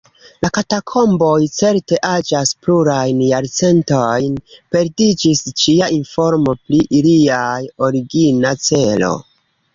La katakomboj certe aĝas plurajn jarcentojn; perdiĝis ĉia informo pri iliaj origina celo.